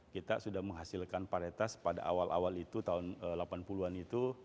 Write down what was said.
kita sudah menghasilkan varietas pada awal awal itu tahun seribu sembilan ratus delapan puluh an itu